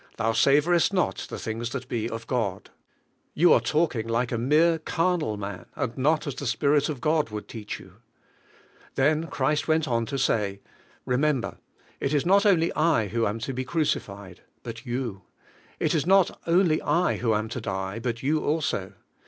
Thou savorest not the things that be of God." Yoa are talking like a mere carnal man, and not as the Spirit of God would teach you. Then Christ went on to say, "Remember, it is not only I who am to be crucified, but you; it is not only I who am to die, but you also.